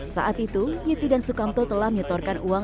saat itu yeti dan sukamto telah menyetorkan uang